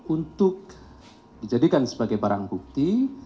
untuk dijadikan sebagai barang bukti